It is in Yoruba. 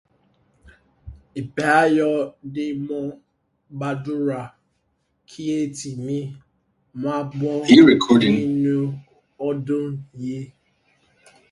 Ìpè ayọ̀ ni mo gbàdúrà kí etí mi máa gbọ́ nínú ọdún yìí.